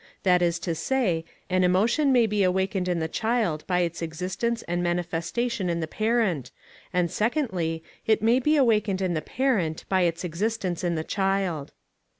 That is to say, an emotion may be awakened in the child by its existence and manifestation in the parent, and secondly, it may be awakened in the parent by its existence in the child.